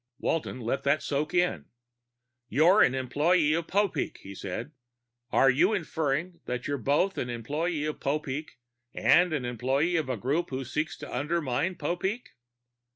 Walton let that soak in. "You're an employee of Popeek," he said. "Are you inferring that you're both an employee of Popeek and an employee of a group that seeks to undermine Popeek?"